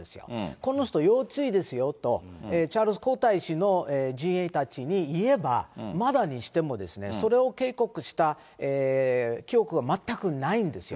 この人、要注意ですよと、チャールズ皇太子の陣営たちにいえば、まだにしてもですね、それを警告した記憶が全くないんですよ。